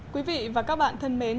quý vị và các bạn thân mến